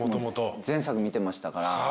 全作見てましたから。